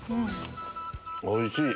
おいしい！